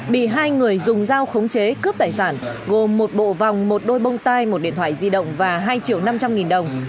bị hai người dùng dao khống chế cướp tài sản gồm một bộ vòng một đôi bông tai một điện thoại di động và hai triệu năm trăm linh nghìn đồng